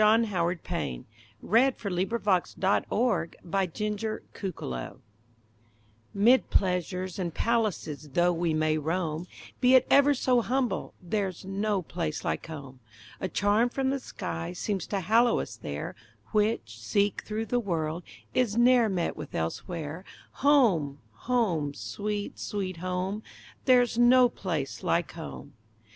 FANTASIA I The original theme as John Howard Payne wrote it: 'Mid pleasures and palaces though we may roam, Be it ever so humble, there's no place like home! A charm from the skies seems to hallow it there, Which, seek through the world, is not met with elsewhere. Home, home! Sweet, Sweet Home! There's no place like Home!